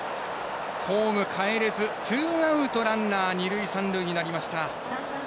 ホームかえれずツーアウト、ランナー、二塁三塁。